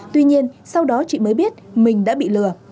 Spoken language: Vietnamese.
tuy nhiên sau đó chị mới biết mình đã bị lừa